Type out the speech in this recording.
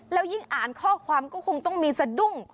แล้วยิ่งอ่านข้อความก็คงต้องมีสะดุ้ง